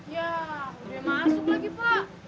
yah udah masuk lagi pak